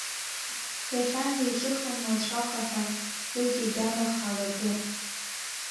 Иахьанӡа иҿыхым аҵәахаҳа, уигьы агьама хаа батәуп.